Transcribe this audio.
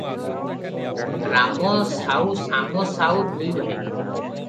ରାମ ସାଉ ଶାମ ସାଉ ଦୁଇ ଭାଇ ।